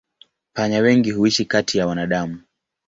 Panya wengi huishi kati ya wanadamu.